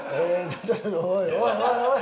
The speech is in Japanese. おいおいおいおい！